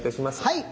はい。